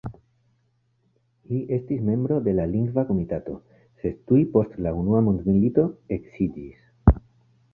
Li estis membro de la Lingva Komitato, sed tuj post la unua mondmilito eksiĝis.